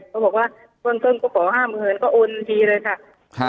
เขาบอกว่าเครื่องเครื่องก็ขอห้าหมื่นก็โอนทีเลยค่ะค่ะ